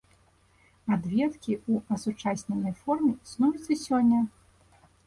Адведкі ў асучасненай форме існуюць і сёння.